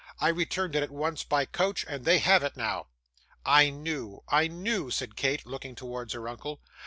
I returned it, at once, by coach, and they have it now.' 'I knew, I knew,' said Kate, looking towards her uncle.